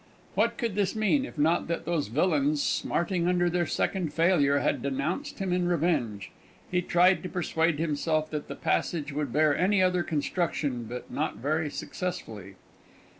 What could this mean, if not that those villains, smarting under their second failure, had denounced him in revenge? He tried to persuade himself that the passage would bear any other construction, but not very successfully.